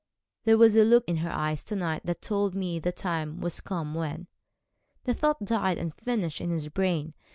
'There was a look in her eyes to night that told me the time was come when ' The thought died unfinished in his brain.